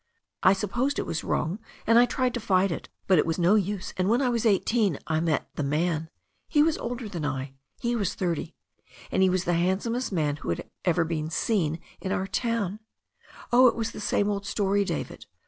I supposed it was wrong and I tried to fight it, but it was no use^ and when I was eighteen I met the man. He was older than I — ^he was thirty — 2tnd he was the handsomest man who was ever seen in our town. Oh, it was the same old story, David.